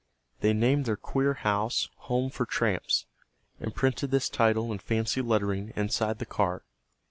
They named their queer house, "Home for Tramps," and printed this title in fancy lettering inside the car.